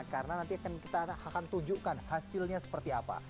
karena nanti kita akan tunjukkan hasilnya seperti apa